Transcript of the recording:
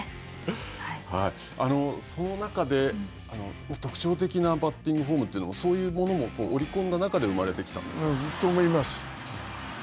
その中で、特徴的なバッティングフォームというのは、そういうものを織り込んだ中で生まれてきたんですか。と思います。